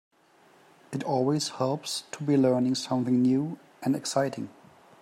It always helps to be learning something new and exciting.